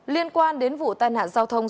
liên quan đến vụ tai nạn giao thông